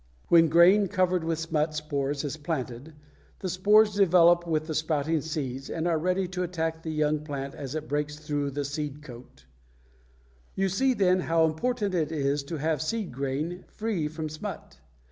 When grain covered with smut spores is planted, the spores develop with the sprouting seeds and are ready to attack the young plant as it breaks through the seed coat. You see, then, how important it is to have seed grain free from smut.